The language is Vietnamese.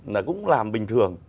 là cũng làm bình thường